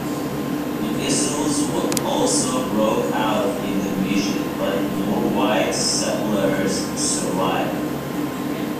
The measles also broke out in the Mission but more white settlers survived.